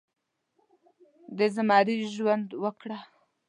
د زمري ژوند وکړه